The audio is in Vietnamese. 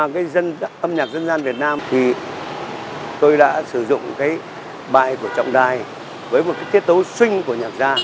thông qua âm nhạc dân gian việt nam thì tôi đã sử dụng cái bại của trọng đài với một cái tiết tấu swing của nhạc gia